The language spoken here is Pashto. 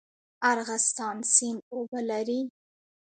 ارغستان سیند اوبه لري؟